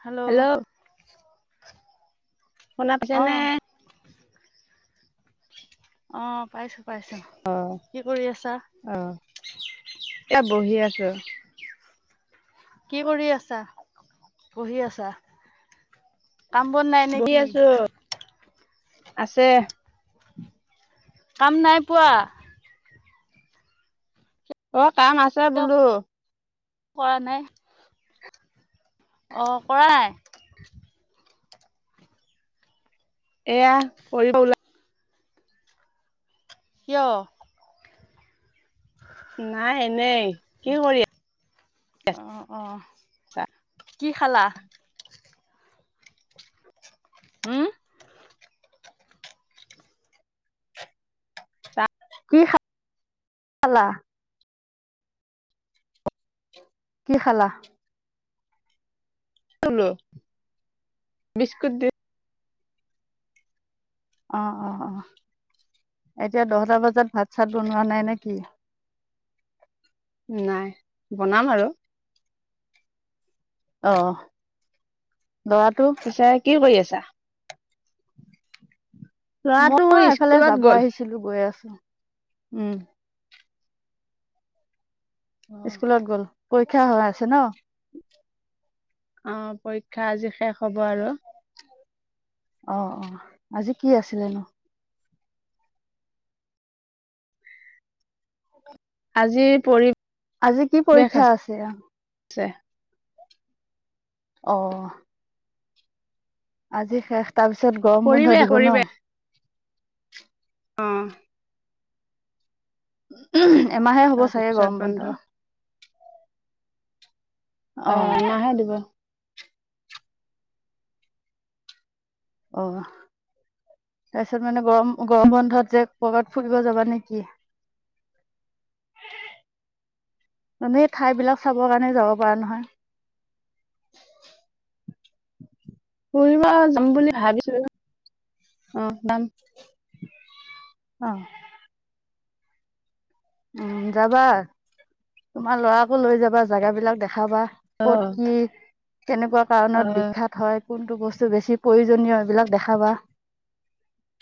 Hello hello hello শুনা পাছেনে? অ পাইছ পাইছো, অ', কি কৰি আছা? অ', এয়া [inaudible] কি কৰি আছা পঢ়ি আছা কম বন নাই নে বহি কি? আছো আছে কাম নাই পোৱা অ কাম আছে বোলো কৰা নাই। অঁ কৰাই এয়া কৰিব ওলা য় নাই এনেই কি কৰি অ অ আছা কি খালা? উম! কি কি খালা? কি খালা? বিস্কুট দি। অ' অ' অ' এতিয়া দহটা বজাত ভাত চাত বনোৱা নাই নে কি? নাই বনাম আৰু আহ! পিছে কি কৰি আছা? ল'ৰাটো মই এফালে স্কুলত যাব গ'ল। আহিছিলো গৈ আছো। উম! স্কুলত গ'ল পৰীক্ষা হৈ আছে ন! অ পৰীক্ষা আজি শেষ হব আৰু অ অ আজি কি আছিলেনো? আজি পৰি আজি কি পৰীক্ষা আছে। আ অ' আজি শেষ তাৰ পিছত গৰম বন্ধ পৰিৱেশ দিব ন? পৰিৱেশ অ' উ এমাহে হ'ব চাগে গৰম বন্ধ। অ মাহে দিব অ' তাৰপিছত মানে গৰম গৰম বন্ধত যে ককাত ফুৰিব যাবা নেকি? [inaudible] মান এই ঠাই বিলাক চাবৰ কাৰণে যাব পৰা নহয়। [inaudible] ফুৰিব যাম বুলি ভাবিছো অ যাম! আহ! উম যাবা তোমাৰ লৰাৰাকো লৈ যাবা জোগা বিলাক দেখাবা। কত অ', কি কেনেকুৱা কাৰণত অ'। বিখ্যাত হয়। কোনটো বস্তু বেছি প্ৰয়োজনীয় এইবিলাক দেখাবা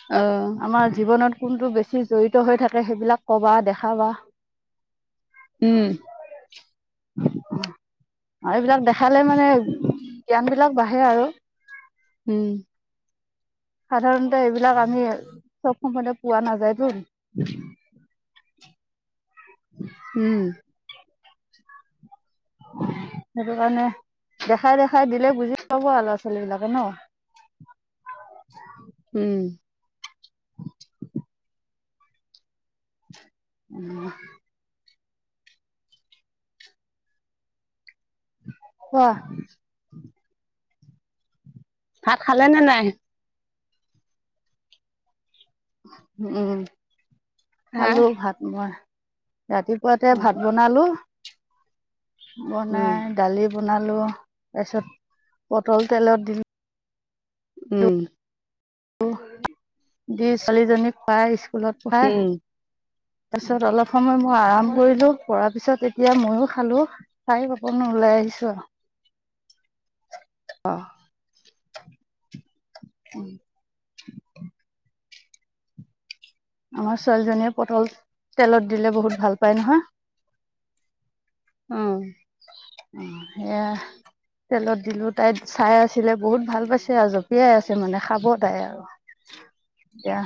অ', আমাৰ জীৱনত কোনটো বেছি জড়িত হৈ থাকে সেইবিলাক ক'বা দেখাবা উম অ অ এইবিলাক দেখালে মানে জ্ঞান বিলাক বাঢ়ে আৰু উম সাধাৰণতে এইবিলাক আমি চব সময়তে পোৱা নাযায়ত উম, সেইটো কাৰণে দেখাই দেখাই দিলে বুজি পাব আৰু ল'ৰা ছোৱালী বিলাকে ন উম উম আহৱ ভাহ খালে নে নাই উম হা আালো ভাত মই ৰাতিপুৱাতে অ', ভাত বনালো উম, বনাই দালি বনালো তাৰপিছত পটল তেলত দিলো উম দুই ছোৱালীজনীক পায় স্কুলত পঢ়ায় উম, তাৰ পিছত অলপ সময় মই আৰাম কৰিলো কৰ পিছত এতিয়া ময়ো খালো খাই পপনো ওলাই আহিছো পিছ আহ উম আমাৰ ছোৱালীজনীয়ে পটল তেলত দিলে বহুত ভাল পায় নহয় অ অ এয়া তেলত দিলো তাই চাই আছিলে বহুত ভাল পাইছে আৰু জঁপিয়াই আছে মানে খাব তাই আৰু এতিয়া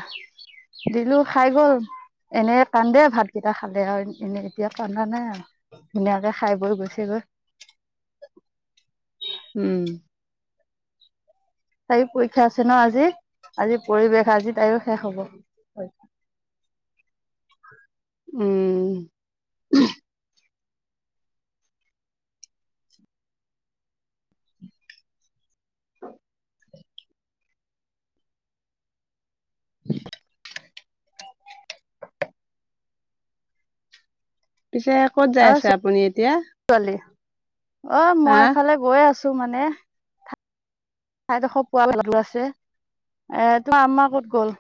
দিলো খাই গল এনে কান্দে ভাতকেইটা খালে আৰু এনে এতিয়া কান্দা নাই আৰু ধুনীয়াকে খাই বৈ গৈচি গৈ উম তাইও পৰীক্ষা আছে ন আজি আজি পৰিৱেশ আজি তাইও শেষ হ'ব হয় উম উম পিছে ক'ত যাই অ আছে আপুনি এতিয়া? ছোৱালী অ হা মই এফালে গৈ আছো ত মানে তাইডোখ পোৱা ভালো আছে এ তোৰ আম্মাৰ কত গ'ল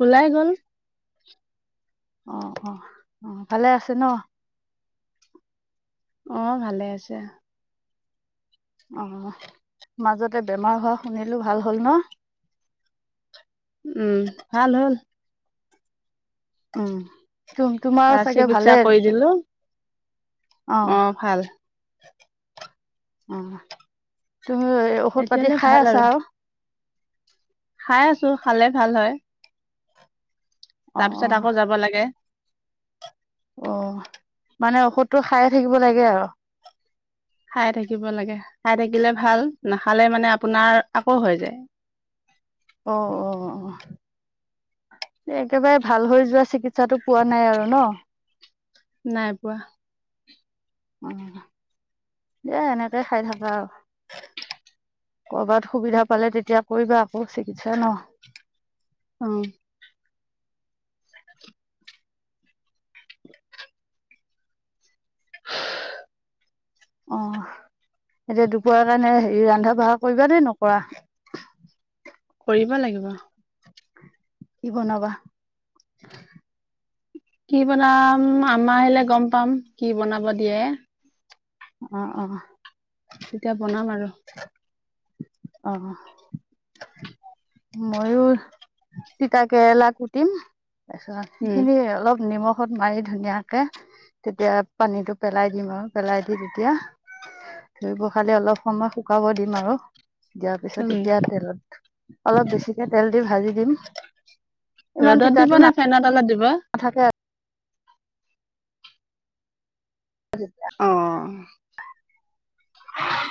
ওলাই গ'ল অ অ অ ভালে আছে ন আহ ভালে আছে অ মাজতে বেমাৰ হোৱা শুনিলো ভাল হ'ল ন উম ভাল হ'ল উমুম তোমাৰো তাৰ চাগে চিকিৎসা ভালে কৰি দিলো অ ভাল অ তুমি ঔষধ পাতি এতিয়ালৈ খাই ভাল আছা আৰু খাই আছো খালে ভাল হয় তাৰপিছত অ', আকৌ যাব লাগে অ মানে ঔষধটো খাইে থাকিব লাগে আৰু খাই থাকিব লাগে খাই থাকিলে ভাল নাখালে মানে আপোনাৰ আকৌ হৈ যায় [unintelligible] অ অ একেবাৰে ভাল হৈ যোৱা চিকিৎসাটো পোৱা নাই আৰু ন নাইবোৱা অ দিয়া এনেকে খাই থাকা আৰু কৰবাত সুবিধা পালে তেতিয়া কৰিবা আকৌ চিকিৎসা ন অ অ এতিয়া দুপৰাৰ কাৰণে হেৰি ৰন্ধা বঢ়া কৰিবা নে নকৰা কৰিব লাগিব কি বনাবা কি বনাম আমাৰ আহিলে গম পাম কি বনাব দিয়ে আহ অ তেতিয়া বনাম আৰু আহ ময়ো চতাাকৰেলা কুটিম তাৰপিছত উম সেইখিনি অলপ নিমখ ষত মাৰি ধুনীয়াকে তেতিয়া পানীটো পেলাই দিম আৰু পেলাই দি তেতিয়া ধুইব খালে অলপ সময় শুকাব দিম আৰু দিয়াৰ উম পিছত এতিয়া তেলত অলপ বেছিকে তেল দি ভাজি দিম ইমান ৰ'দত দিব তিতাটো নে ফেনৰ তলত দিবা সা উ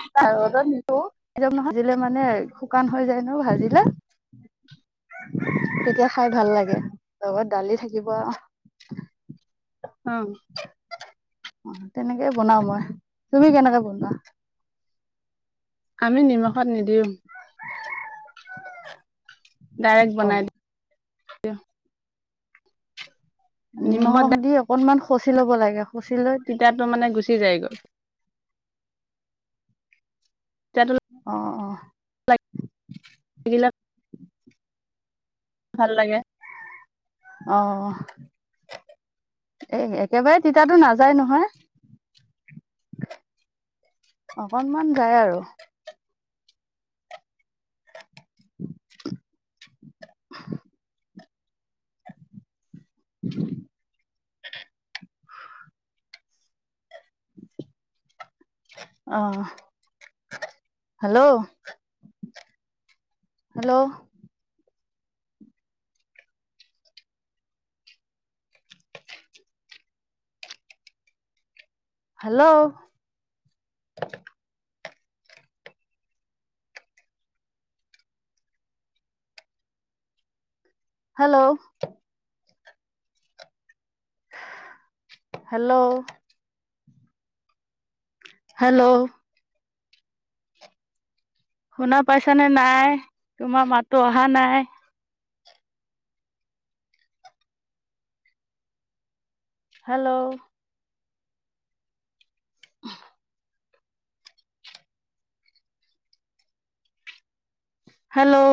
নি নিজ ন ভাজিলে মানে শুকান হৈ যায় ন ভাজিলে তেতিয়া খাই ভাল লাগে লগত দালি থাকিব আহ অ তেনেকে বনাও মই তুমি কেনেকে বনোৱা আমি নিমখত নিদিওঁ [unintelligible] ডাইৰেক্ট অ বনাই দিওঁ নিমখত নিমখ দি অকনমান খচি ল'ব লাগে খচি লৈ তিতটো মানে গুচি যায় গ'ল তিতাটো আহ অ [unintelligible] ভাল লাগে আহ [unintelligible] অকনমান যায় আৰু [unintelligible] উ আহ hello hello hello hello hello hello শুনা পাইছানে নাই তোমাৰ মাতো অহা নাই হেল্ল' অহ! হেল্ল'